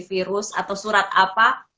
virus atau surat apa